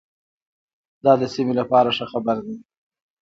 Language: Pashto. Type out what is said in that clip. دا د سیمې لپاره ښه خبر دی.